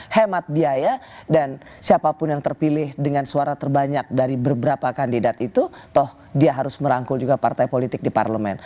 hemat biaya dan siapapun yang terpilih dengan suara terbanyak dari beberapa kandidat itu toh dia harus merangkul juga partai politik di parlemen